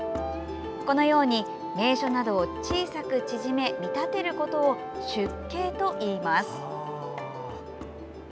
このように名所などを小さく縮め見立てることを縮景といいます。